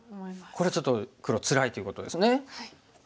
これちょっと黒つらいということですね。